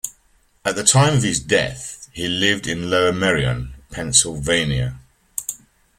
At the time of his death, he lived in Lower Merion, Pennsylvania.